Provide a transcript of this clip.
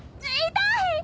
痛い！